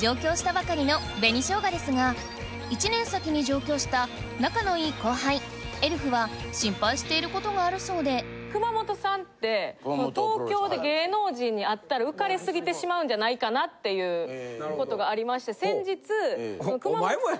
そんな上京したばかりの仲のいい後輩エルフは心配していることがあるそうで熊元さんって東京で芸能人に会ったら浮かれ過ぎてしまうんじゃないかな？っていうことがありまして先日。